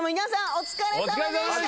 お疲れ様でした！